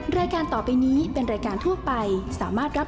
แม่บ้านประจันบรรย์